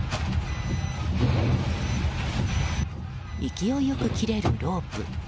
勢いよく切れるロープ。